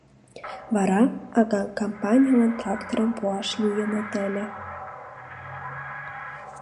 Вара, ага кампаньылан тракторым пуаш лийыныт ыле.